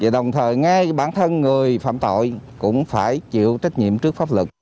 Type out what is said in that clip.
đồng thời ngay bản thân người phạm tội cũng phải chịu trách nhiệm trước pháp luật